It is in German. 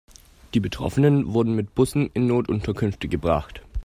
Die Betroffenen wurden mit Bussen in Notunterkünfte gebracht.